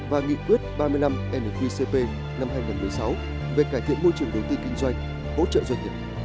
và nghị quyết ba mươi năm nqcp năm hai nghìn một mươi sáu về cải thiện môi trường đầu tư kinh doanh hỗ trợ doanh nghiệp